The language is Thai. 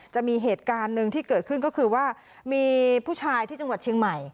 จะมีเหตุการณ์หนึ่งที่เกิดขึ้นก็คือว่ามีผู้ชายที่จังหวัดเชียงใหม่